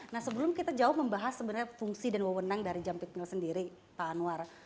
nah sebelum kita jauh membahas sebenarnya fungsi dan wewenang dari jampit mill sendiri pak anwar